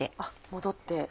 戻って。